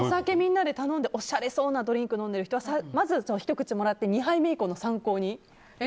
おしゃれそうなドリンク飲んでいる人はまずひと口もらって２杯目以降の参考に。